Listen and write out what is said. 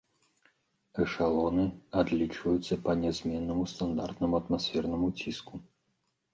Эшалоны адлічваюцца па нязменнаму стандартнаму атмасферным ціску.